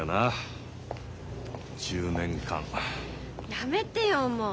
やめてよもう。